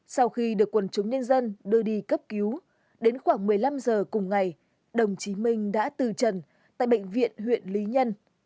sau khi được quần chúng nhân dân đưa đi cấp cứu đến khoảng một mươi năm giờ cùng ngày đồng chí minh đã từ trần tại bệnh viện huyện lý nhân